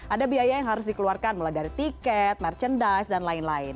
ada biaya yang harus dikeluarkan mulai dari tiket merchandise dan lain lain